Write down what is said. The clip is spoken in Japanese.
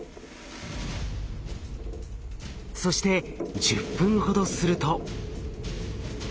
そして１０分ほどすると。